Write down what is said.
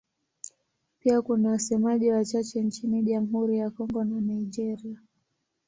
Pia kuna wasemaji wachache nchini Jamhuri ya Kongo na Nigeria.